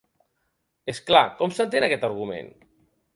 És clar, com s’entén aquest argument?